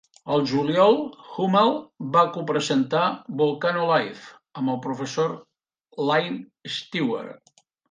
Al juliol, Humble va copresentar "Volcano Live" amb el professor Iain Stewart.